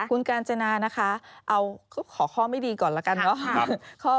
คุณกาญจนานะคะเอาขอข้อไม่ดีก่อนแล้วกันเนอะ